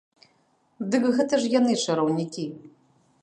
Дык гэта ж яны чараўнікі!